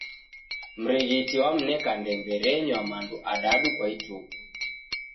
Mrighiti wamneka ndembe renywa mandu adadu kwa ituku